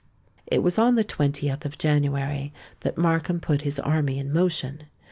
It was on the 20th of January that Markham put his army in motion.